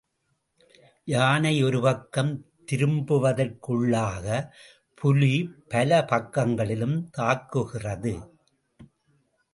யானை ஒரு பக்கம் திரும்புவதற்குள்ளாகப் புலி பல பக்கங்களிலும் தாக்குகிறது.